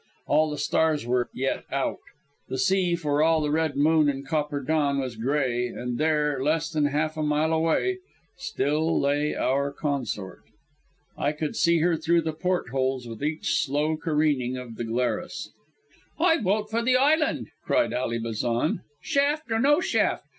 All the stars were yet out. The sea, for all the red moon and copper dawn, was gray, and there, less than half a mile away, still lay our consort. I could see her through the portholes with each slow careening of the Glarus. "I vote for the island," cried Ally Bazan, "shaft or no shaft.